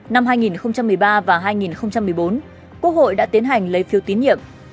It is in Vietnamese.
năm hai nghìn một mươi ba và hai nghìn một mươi bốn quốc hội đã tiến hành lấy phiếu tín nhiệm